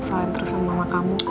salahin terus sama mama kamu